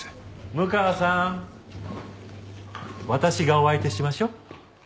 六川さん私がお相手しましょう。